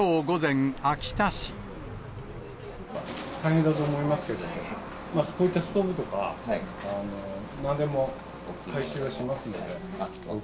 大変だと思いますけど、こういったストーブとかなんでも、回収はしますので。